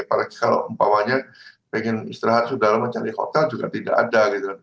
apalagi kalau umpamanya pengen istirahat sudah lama cari hotel juga tidak ada